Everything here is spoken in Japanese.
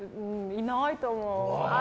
いないと思う。